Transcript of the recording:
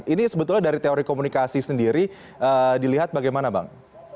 ini sebetulnya dari teori komunikasi sendiri dilihat bagaimana bang